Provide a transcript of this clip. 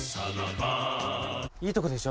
いいところでしょ